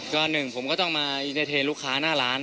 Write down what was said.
ก็หนึ่งผมก็ต้องมาอินเตอร์เทนลูกค้าหน้าร้าน